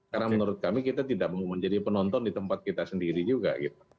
karena menurut kami kita tidak mau menjadi penonton di tempat kita sendiri juga